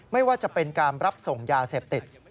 ไม่ว่าจะเป็นการรับส่งยาเสพติด